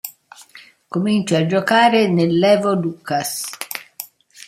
Comincia a giocare nell'Evolucas.